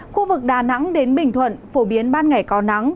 khu vực đà nẵng đến bình thuận phổ biến ban ngày có nắng